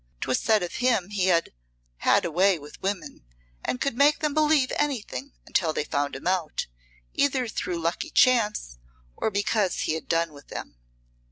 'Twas said of him he "had a way" with women and could make them believe anything until they found him out, either through lucky chance or because he had done with them.